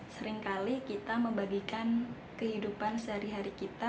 seringkali kita membagikan kehidupan sehari hari kita